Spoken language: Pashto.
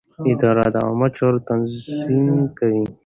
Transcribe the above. اداره د عامه چارو تنظیم کوي.